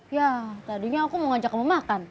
ya tadinya aku mau ngajak kamu makan